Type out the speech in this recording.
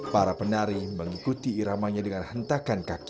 para penari mengikuti iramanya dengan hentakan kaki